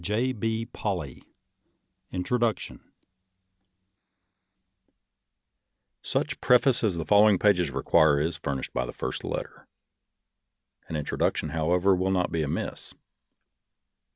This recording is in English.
KiNDBED " 276 INTRODUCTION Such preface as the following pages require is furnished by the first letter. An introduction, however, will not be amiss.